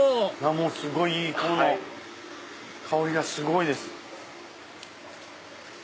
すごいいい鴨の香りがすごいです。